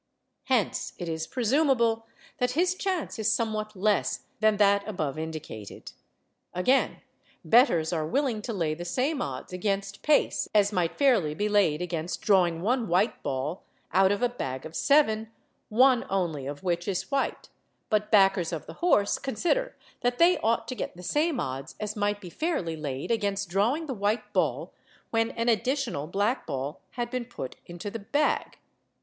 Hence it is presumable that his chance is somewhat less than that above indicated. Again, bettors are willing to lay the same odds against Pace as might fairly be laid against drawing one white ball out of a bag of seven, one only of which is white; but backers of the horse consider that they ought to get the same odds as might be fairly laid against drawing the white ball when an additional black ball had been put into the bag.